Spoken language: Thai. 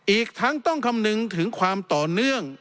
อีกทั้งต้องคำนึงถึงความต่อเนื่อง